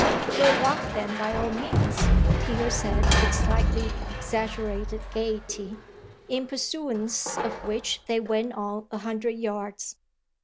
"We'll walk then by all means!" Peter said with slightly exaggerated gaiety; in pursuance of which they went on a hundred yards.